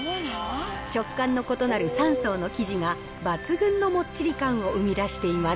食感の異なる三層の生地が抜群のもっちり感を生み出しています。